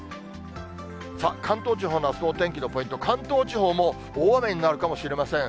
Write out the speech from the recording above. さあ、関東地方のあすのお天気のポイント、関東地方も大雨になるかもしれません。